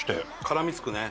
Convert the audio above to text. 絡みつくね。